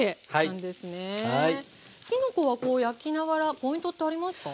きのこはこう焼きながらポイントってありますか？